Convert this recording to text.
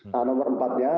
nah nomor empatnya